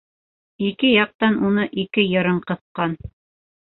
Ике яҡтан уны ике йырын ҡыҫҡан.